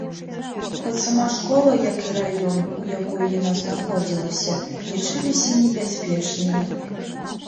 Хоць сама школа, як і раён, у якой яна знаходзілася, лічыліся небяспечнымі.